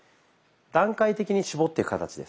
段階的に絞ってく形です。